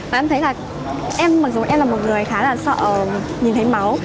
và em thấy là em mặc dù em là một người khá là sợ nhìn thấy máu